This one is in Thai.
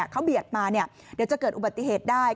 เขาเบียดมาเดี๋ยวจะเกิดอุบัติเหตุได้